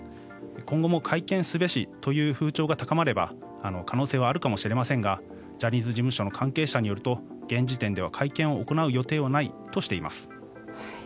今後も会見すべしという風潮が高まれば可能性はあるかもしれませんがジャニーズ事務所の関係者によると現時点では会見を行う予定はないとしています。